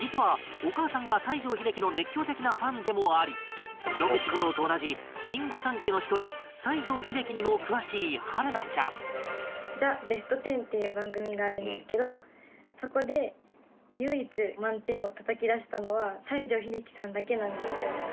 実は野口五郎と同じ新御三家の一人西城秀樹にも詳しい陽菜ちゃん『ザ・ベストテン』っていう番組があるんですけどそこで唯一満点をたたき出したのは西城秀樹さんだけなんですよ。